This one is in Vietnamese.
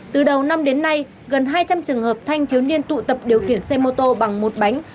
từ đầu năm đến nay gần hai trăm linh trường hợp thanh thiếu niên tụ tập điều khiển xe mô tô bằng một bánh